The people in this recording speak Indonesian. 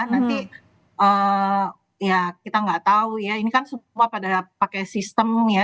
nanti ya kita nggak tahu ya ini kan semua pada pakai sistem ya